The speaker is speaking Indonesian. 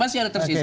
masih ada tersisa